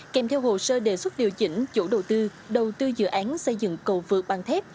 kèm theo hồ sơ đề xuất điều chỉnh chủ đầu tư đầu tư dự án xây dựng cầu vượt bằng thép